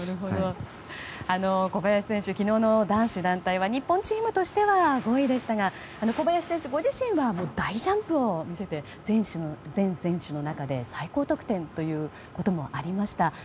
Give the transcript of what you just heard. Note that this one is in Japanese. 小林選手、昨日の男子団体は日本チームとしては５位でしたが小林選手ご自身は大ジャンプを見せて全選手の中で最高得点ということもありました。